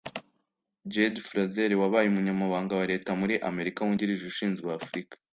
Jendai Frazer wabaye umunyabanga wa Leta muri Amerika wungirije ushinzwe Afurika